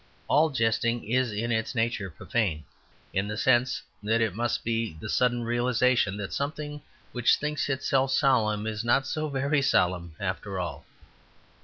All jesting is in its nature profane, in the sense that it must be the sudden realization that something which thinks itself solemn is not so very solemn after all.